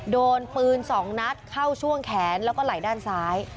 โดนปืน๒นัดเข้าช่วงแขนแล้วก็ไหล่ด้านซ้าย